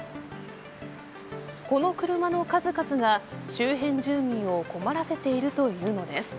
この車の数々が周辺住民を困らせているというのです。